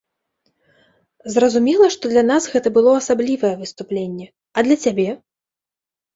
Зразумела, што для нас гэта было асаблівае выступленне, а для цябе?